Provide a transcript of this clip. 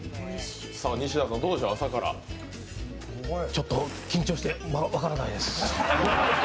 ちょっと緊張して分からないです